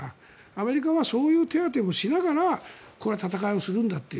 アメリカはそういう手当てをしながら戦いをするんだと。